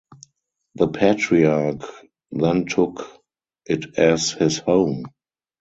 The Patriarch then took it as his home.